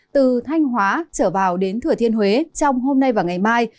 từ thanh hóa trở vào đến thừa thiên huế trong hôm nay và ngày mai